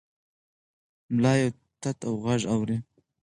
ملا یو تت غږ اوري.